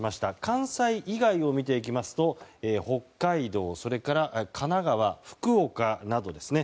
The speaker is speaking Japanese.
関西以外を見ていきますと北海道、それから神奈川、福岡などですね。